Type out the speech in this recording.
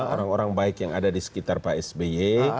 orang orang baik yang ada di sekitar pak sby